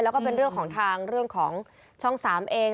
แล้วก็เป็นเรื่องของทางเรื่องของช่อง๓เอง